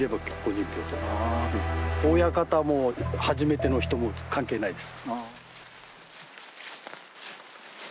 親方も初めての人も関係ないです。